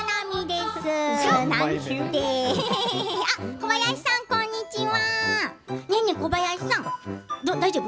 小林さん、こんにちは。